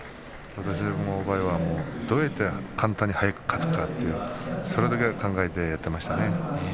私の場合はどうやって速く簡単に勝つか、それだけを考えてやっていました。